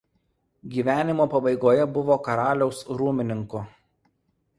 Gyvenimo pabaigoje buvo karaliaus rūmininku.